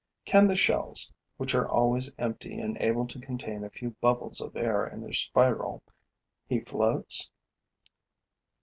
Can the shells, which are always empty and able to contain a few bubbles of air in their spiral, he floats?